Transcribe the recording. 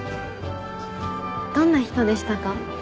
どんな人でしたか？